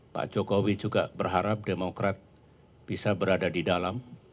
pak jokowi juga berharap demokrat bisa berada di dalam